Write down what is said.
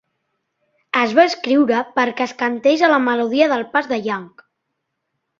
Es va escriure perquè es cantés a la melodia del pas de Yang.